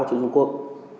chỉ có pháo đúng